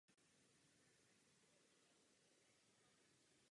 Dojde k zřetelnému zvýšení bezpečnosti a spolehlivosti.